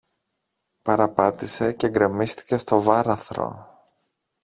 παραπάτησε και γκρεμίστηκε στο βάραθρο